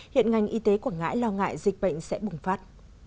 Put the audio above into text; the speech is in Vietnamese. hiện ngành y tế quảng ngãi lo ngại dịch bệnh sẽ bùng phát